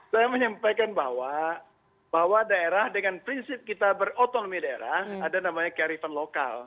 saya menyampaikan bahwa daerah dengan prinsip kita berotonomi daerah ada namanya kearifan lokal